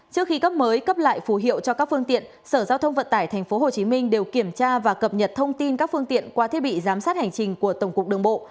trước khi cấp mới cấp lại phù hiệu cho các phương tiện sở giao thông vận tải tp hcm đều kiểm tra và cập nhật thông tin các phương tiện qua thiết bị giám sát hành trình của tổng cục đường bộ